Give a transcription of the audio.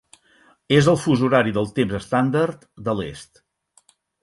És al fus horari del Temps Estàndard de l'est.